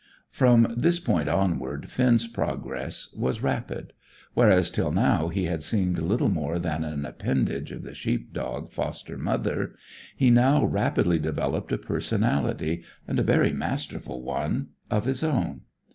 From this point onward, Finn's progress was rapid. Whereas till now he had seemed little more than an appendage of the sheep dog foster mother, he now rapidly developed a personality, and a very masterful one, of his own.